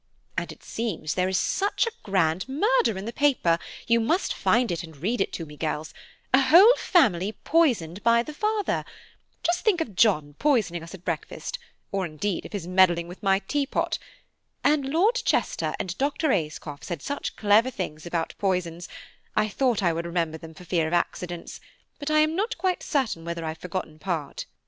And it seems there is such a grand murder in the paper–you must find it and read it to me, girls; a whole family poisoned by the father–just think of John poisoning us at breakfast, or, indeed, of his meddling with my tea pot; and Lord Chester and Dr. Ayscough said such clever things about poisons; I thought I would remember them for fear of accidents; but I am not quite certain whether I have not forgotten part.